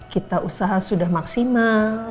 kita usaha sudah maksimal